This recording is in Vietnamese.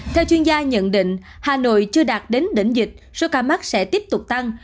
theo chuyên gia nhận định hà nội chưa đạt đến đỉnh dịch số ca mắc sẽ tiếp tục tăng